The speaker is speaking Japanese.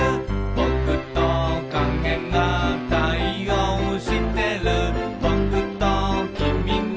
「ぼくときみが対応してる」